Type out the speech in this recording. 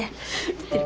行ってる。